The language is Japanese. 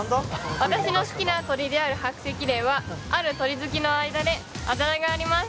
私の好きな鳥であるハクセキレイはある鳥好きの間であだ名があります。